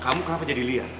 kamu kenapa jadi liar